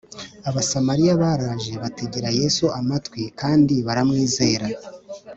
. Abasamariya baraje bategera Yesu amatwi kandi baramwizera.